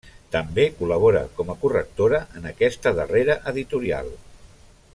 També col·labora com a correctora en aquesta darrera editorial.